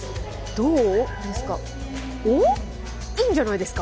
どうですか？